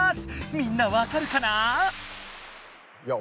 みんなわかるかな？